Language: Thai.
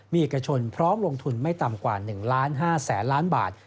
มีเอกชนพร้อมลงทุนไม่ต่ำกว่า๑๕๐๐๐ล้านบาท